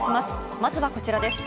まずはこちらです。